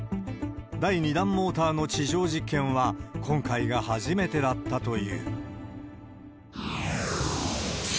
第２段モーターの地上実験は、今回が初めてだったという。